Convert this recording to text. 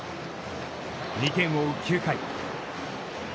２点を追う９回。